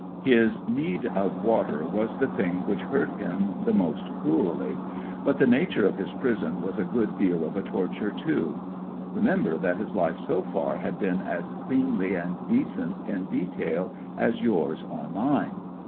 His need of water was the thing which hurt him the most cruelly; but the nature of his prison was a good deal of a torture, too. Remember that his life so far had been as cleanly and decent in detail as yours or mine.